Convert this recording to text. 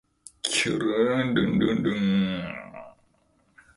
きゅるるるるるるるるんんんんんん